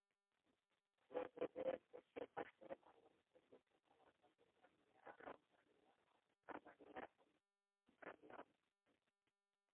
মসজিদের পশ্চিম পাশে বাংলাদেশের বিখ্যাত মাদরাসা জামিয়া রহমানিয়া আরাবিয়া অবস্থিত।